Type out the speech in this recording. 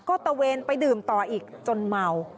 ก็ตะเวนไปดื่มต่ออีกจนเมา